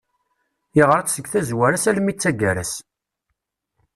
Yeɣra-tt seg tazwara-s almi d taggara-s.